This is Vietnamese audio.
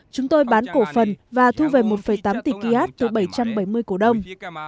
chúng tôi bán cổ phần và thu về một tám tỷ k từ bảy trăm bảy mươi cổ đông